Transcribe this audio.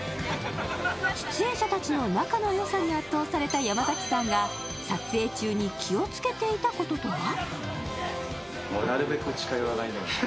出演者たちの仲のよさに圧倒された山崎さんが撮影中に気をつけていたこととは？